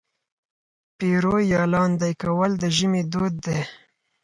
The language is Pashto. پېروی یا لاندی کول د ژمي دود دی.